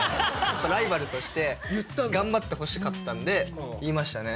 ライバルとして頑張ってほしかったんで言いましたね